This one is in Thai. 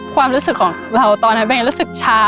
ความรู้สึกของเราตอนนั้นตัวเองรู้สึกชา